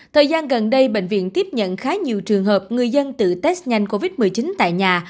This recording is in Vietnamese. thời gian gần đây bệnh viện tiếp nhận khá nhiều trường hợp người dân tự test nhanh covid một mươi chín tại nhà